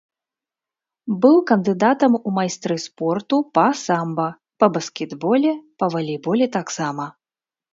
Быў кандыдатам у майстры спорту па самба, па баскетболе, па валейболе таксама.